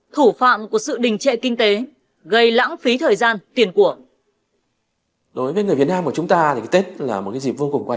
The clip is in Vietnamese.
thủ phạm của sự đình trệ kinh tế gây lãng phí thời gian tiền của